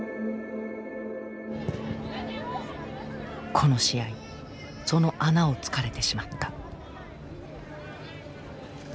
この試合その穴をつかれてしまった。